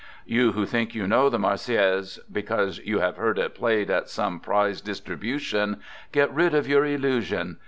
You who think you know the Marseillaise because you have heard it played at some prize distribution, get rid of your illusion.